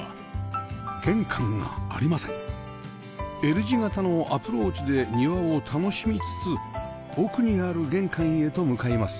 Ｌ 字形のアプローチで庭を楽しみつつ奥にある玄関へと向かいます